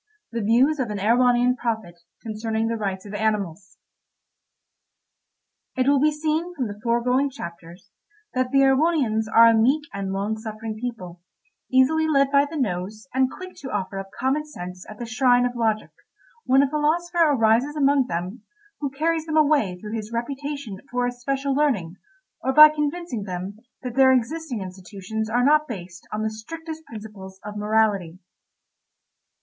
THE VIEWS OF AN EREWHONIAN PROPHET CONCERNING THE RIGHTS OF ANIMALS It will be seen from the foregoing chapters that the Erewhonians are a meek and long suffering people, easily led by the nose, and quick to offer up common sense at the shrine of logic, when a philosopher arises among them, who carries them away through his reputation for especial learning, or by convincing them that their existing institutions are not based on the strictest principles of morality.